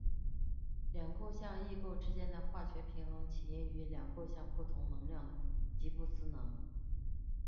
两构象异构之间的化学平衡起因于两构象不同能量的吉布斯能。